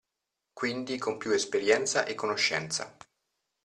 Quindi con più esperienza e conoscenza.